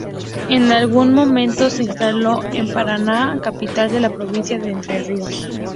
En algún momento se instaló en Paraná, capital de la provincia de Entre Ríos.